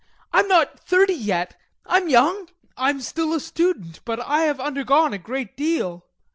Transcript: I'm not thirty yet, I'm young, I'm still a student, but I have undergone a great deal!